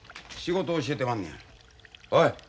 仕事を教えてまんねや。